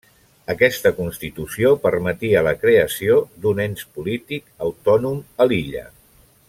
Aquesta constitució permetia la creació d'un ens polític autònom a l'illa.